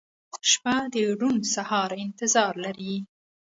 • شپه د روڼ سهار انتظار لري.